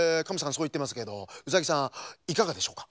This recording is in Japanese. そういってますけどウサギさんいかがでしょうか？